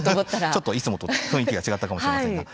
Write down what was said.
ちょっと、いつもと雰囲気が違ったかもしれません。